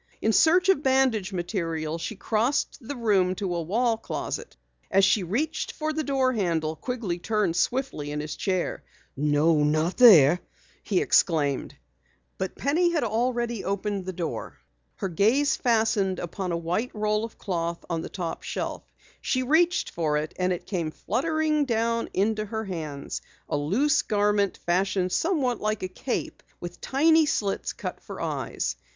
In search of bandage material, she crossed the room to a wall closet. As she reached for the door handle, Quigley turned swiftly in his chair. "No, not there!" he exclaimed. Penny already had opened the door. Her gaze fastened upon a white roll of cloth on the top shelf. She reached for it and it came fluttering down into her hands a loose garment fashioned somewhat like a cape with tiny slits cut for eyes.